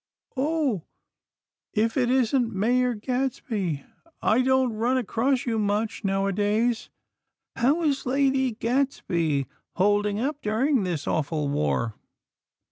"Oh! If it isn't Mayor Gadsby! I don't run across you much, now a days. How is Lady Gadsby holding up during this awful war?"